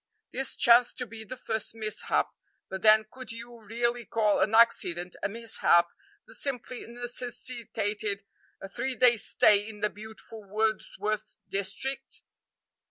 This chanced to be the first mishap; but then could you really call an accident a mishap that simply necessitated a three days' stay in the beautiful Wordsworth district?